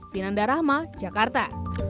binanda rahma jakarta